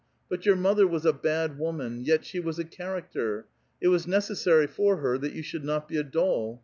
But your mother was a bad woman : vet she was a character. It was necessary for her that you should not be a doll.